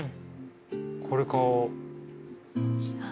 これ買おう。